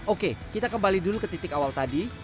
oke kita kembali dulu ke titik awal tadi